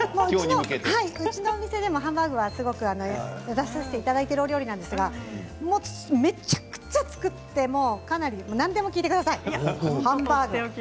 私の店でもハンバーグはすごく出させていただいているお料理なんですがめちゃくちゃ作って、もうかなり何でも聞いてください。